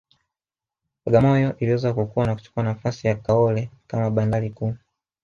Bagamoyo iliweza kukua na kuchukua nafasi ya Kaole kama bandari kuu